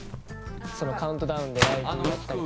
カウントダウンでライブやったりとか。